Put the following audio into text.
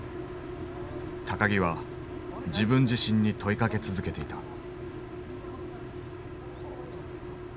木は自分自身に問いかけ続けていた。